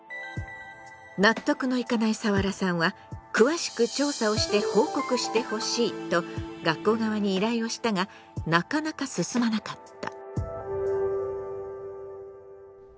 納得のいかないサワラさんは詳しく調査をして報告してほしいと学校側に依頼をしたがなかなか進まなかった。